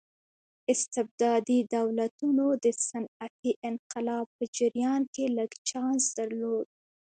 استبدادي دولتونو د صنعتي انقلاب په جریان کې لږ چانس درلود.